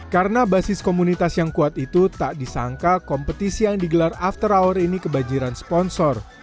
karena basis komunitas yang kuat itu tak disangka kompetisi yang digelar after hour ini kebanjiran sponsor